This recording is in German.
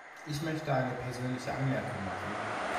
Ich möchte eine persönliche Anmerkung machen.